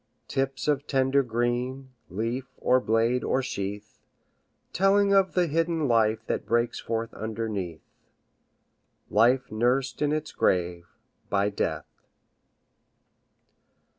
Tips of tender green, Leaf, or blade, or sheath; Telling of the hidden life That breaks forth underneath, Life nursed in its grave by Death.